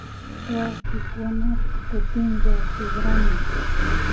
Wawkikuna kutinlla tikramun